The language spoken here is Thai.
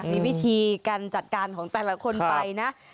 มีวิธีการจัดการของแต่ละคนไปนะ